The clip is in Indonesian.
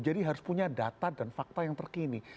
jadi harus punya data dan fakta yang terkini